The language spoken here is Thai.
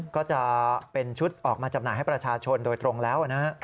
ก็จะเป็นชุดออกมาจำหน่ายให้ประชาชนโดยตรงแล้วนะฮะ